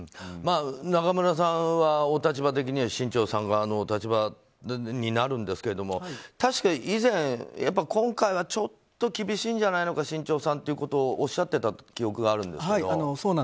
中村さんは、お立場的には新潮さんのお立場になると思うんですけど確か以前、今回はちょっと厳しいんじゃないのか新潮さんということをおっしゃっていたそうなんです。